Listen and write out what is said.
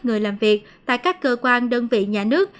người làm việc tại các cơ quan đơn vị nhà nước